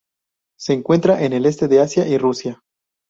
Se encuentra en el este de Asia y Rusia.